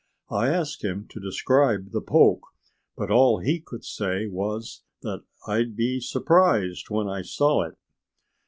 I asked him to describe the poke. But all he could say was that I'd be surprised when I saw it."